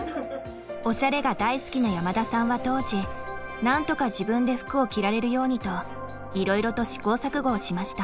おしゃれが大好きな山田さんは当時なんとか自分で服を着られるようにといろいろと試行錯誤をしました。